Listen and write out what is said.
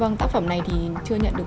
vâng tác phẩm này thì chưa nhận được